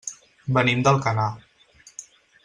Venim d'Alcanar.